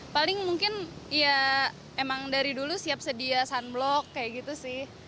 paling mungkin ya emang dari dulu siap sedia sunblock kayak gitu sih